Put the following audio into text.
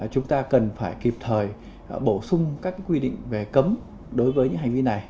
chúng ta cần phải kịp thời bổ sung các quy định về cấm đối với những hành vi này